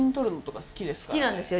好きなんですよ